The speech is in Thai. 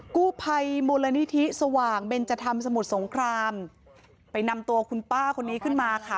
กู้ภัยมูลนิธิสว่างเบนจธรรมสมุทรสงครามไปนำตัวคุณป้าคนนี้ขึ้นมาค่ะ